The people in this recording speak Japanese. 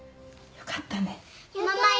よかったね！